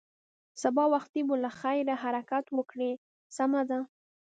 سبا وختي به له خیره حرکت وکړې، سمه ده.